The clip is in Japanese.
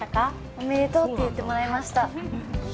おめでとうって言ってもらえました。